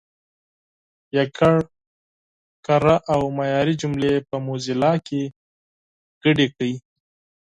یوازې کره او معیاري جملې په موزیلا کې شامل کړئ.